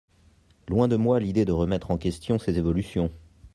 Loin de moi l’idée de remettre en question ces évolutions.